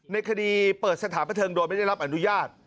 ในคดีเปิดสถานบันเทิงโดยไม่ได้รับอนุญาต